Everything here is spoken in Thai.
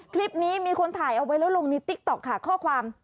คลิปนี้มีคนถ่ายเอาไว้แล้วลงในติ๊กต๊อกค่ะข้อความ